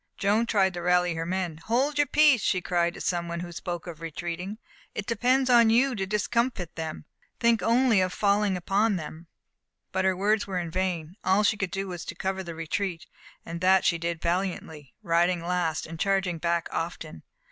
Joan tried to rally her men: "Hold your peace!" she cried to some who spoke of retreating. "It depends on you to discomfit them! Think only of falling upon them!" But her words were in vain. All she could do was to cover the retreat, and that she did valiantly, riding last, and charging back often.